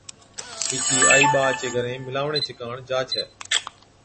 وِچي آئِي ٻا چي گھرين مِلاوڻي چي ڪاڻ جا ڇَي